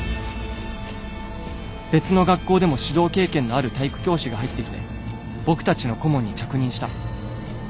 別の学校でも指導経験のある体育教師が入ってきて僕たちの顧問に着任した。